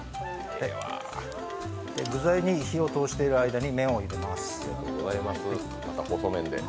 具材に火を通している間に麺を入れます